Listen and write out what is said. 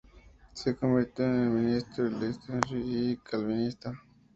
Se convirtió en ministro en Leicestershire y calvinista.